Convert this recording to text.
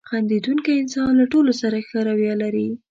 • خندېدونکی انسان له ټولو سره ښه رویه لري.